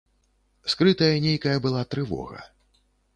Скрытая нейкая была трывога.